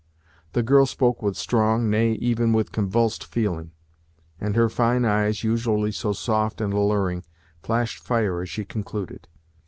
The girl spoke with strong, nay, even with convulsed feeling, and her fine eyes, usually so soft and alluring, flashed fire as she concluded.